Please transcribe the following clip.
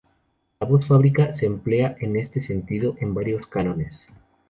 La voz "fábrica" se emplea en este sentido en varios cánones.